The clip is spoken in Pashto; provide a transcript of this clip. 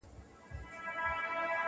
چي لیکلی چا غزل وي بې الهامه,